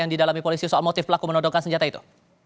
yang didalami polisi soal motif pelaku menodokan senjata itu